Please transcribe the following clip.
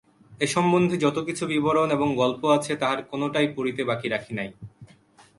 এ সম্বন্ধে যতকিছু বিবরণ এবং গল্প আছে তাহার কোনোটাই পড়িতে বাকি রাখি নাই।